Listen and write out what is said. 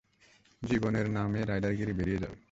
জীবনের নামে রাইডার গিড়ি বেরিয়ে যাবে।